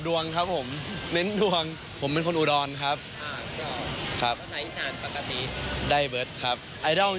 ดวงครับผมเน้นดวงผมเป็นคนอุดรนครับครับประกาศอีสาน